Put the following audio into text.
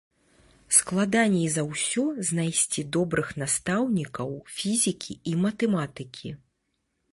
Складаней за ўсё знайсці добрых настаўнікаў фізікі і матэматыкі.